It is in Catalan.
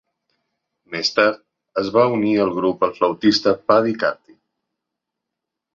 Més tard es va unir al grup el flautista Paddy Carty.